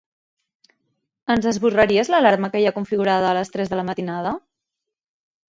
Ens esborraries l'alarma que hi ha configurada a les tres de la matinada?